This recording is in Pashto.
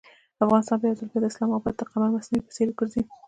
افغانستان به یو ځل بیا د اسلام اباد د قمر مصنوعي په څېر وګرځي.